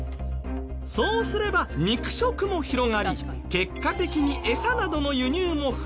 そうすれば肉食も広がり結果的にエサなどの輸入も増える。